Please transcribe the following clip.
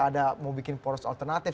ada mau bikin poros alternatif